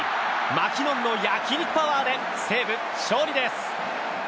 マキノンの焼き肉パワーで西武、勝利です。